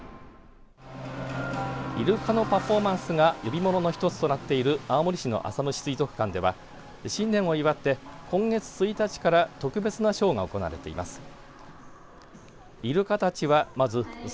イルカのパフォーマンスが呼び物の一つとなっている青森市の浅虫水族館では新年を祝って今月１日から特別なショーが行われています。